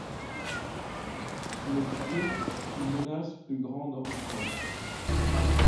Sous leurs pieds, une menace plus grande encore.